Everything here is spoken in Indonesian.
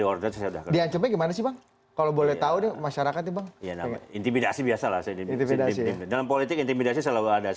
diordeknya gimana sih kalau boleh tahu masyarakat intimidasi biasa dalam politik intimidasi selalu